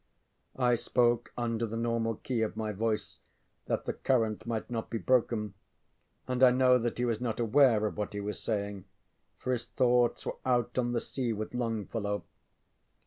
I spoke under the normal key of my voice that the current might not be broken, and I know that he was not aware of what he was saying, for his thoughts were out on the sea with Longfellow.